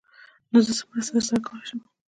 _نو زه څه مرسته درسره کولای شم؟